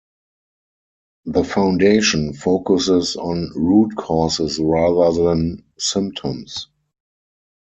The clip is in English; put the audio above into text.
The Foundation focuses on root causes rather than symptoms.